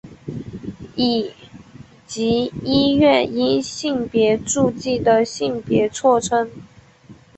以及医院因性别注记的性别错称。